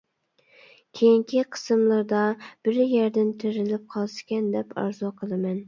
كېيىنكى قىسىملىرىدا بىر يەردىن تېرىلىپ قالسىكەن دەپ ئارزۇ قىلىمەن.